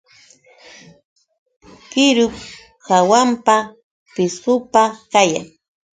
Qirup hawampa pishqupa kayan.